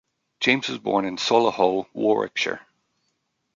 James was born in Solihull, Warwickshire.